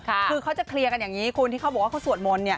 คือเขาจะเคลียร์กันอย่างนี้คุณที่เขาบอกว่าเขาสวดมนต์